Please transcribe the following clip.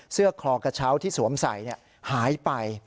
เสื้อกครอกระเช้าที่สวมใสหายไป